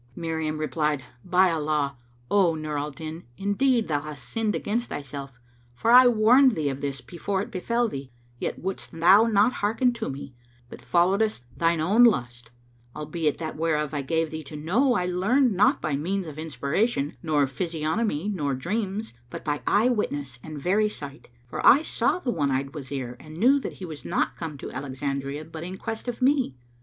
'" Miriam replied, "By Allah, O Nur al Din, indeed thou hast sinned against thyself, for I warned thee of this before it befell thee: yet wouldst thou not hearken to me, but followedst thine own lust: albeit that whereof I gave thee to know I learnt not by means of inspiration nor physiognomy[FN#520] nor dreams, but by eye witness and very sight; for I saw the one eyed Wazir and knew that he was not come to Alexandria but in quest of me."